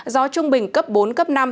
gió trung bình cấp bốn cấp năm